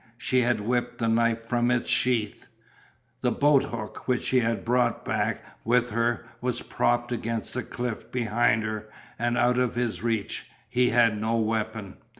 She had whipped the knife from its sheath. The boat hook, which she had brought back with her, was propped against the cliff behind her and out of his reach, he had no weapon.